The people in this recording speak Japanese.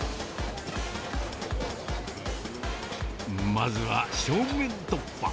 まずは正面突破。